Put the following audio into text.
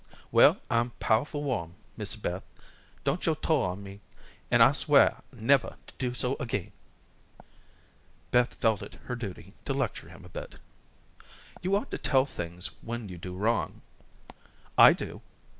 Well, I'm powe'ful warm, Missy Beth. Don't yo' tole on me, an' I'll swah nevah to do so agin." Beth felt it her duty to lecture him a bit. "You ought to tell things when you do wrong. I do.